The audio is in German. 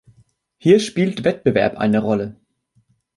Hier spielt Wettbewerb eine Rolle.